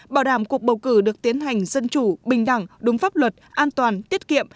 bảo đảm cuộc bầu cử được tiến hành dân chủ bình đẳng đúng pháp luật an toàn tiết kiệm